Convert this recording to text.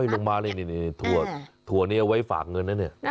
ลงมาเลยนี่ถั่วนี้เอาไว้ฝากเงินนะเนี่ย